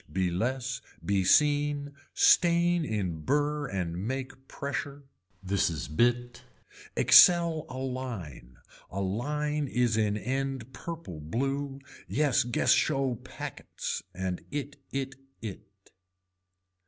Be less be seen, stain in burr and make pressure. This is bit. Excel a line, a line is in end purple blue, yes guess show packets and it it it.